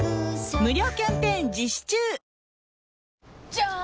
じゃーん！